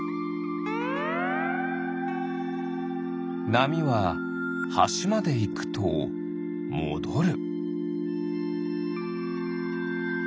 なみははしまでいくともどる。